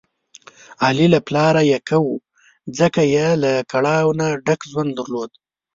علي له پلاره یکه و، ځکه یې له کړاو نه ډک ژوند درلود.